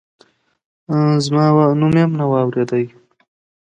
ان زما نوم یې هم نه و اورېدلی.